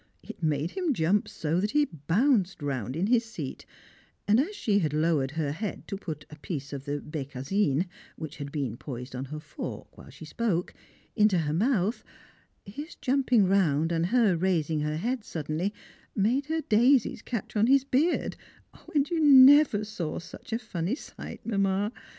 It made him jump so that he bounced round in his seat; and as she had lowered her head to put the piece of bécassine which had been poised on her fork while she spoke into her mouth, his jumping round, and her raising her head suddenly, made her daisies catch on his beard; and you never saw such a funny sight, Mamma!